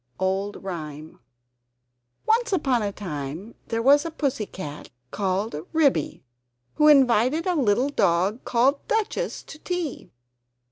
[Old Rhyme] Once upon a time there was a Pussy cat called Ribby, who invited a little dog called Duchess to tea.